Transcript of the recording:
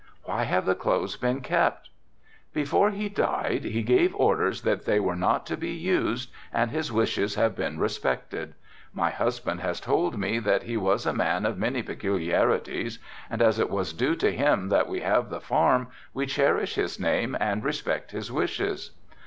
"Why have the clothes been kept?" "Before he died he gave orders that they were not to be used and his wishes have been respected. My husband has told me that he was a man of many peculiarities and as it was due to him that we have the farm we cherish his name and respect his wishes."